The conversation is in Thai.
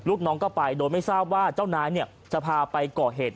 ลูกน้องก็ไปโดยไม่ทราบว่าเจ้านายเนี่ยจะพาไปก่อเหตุ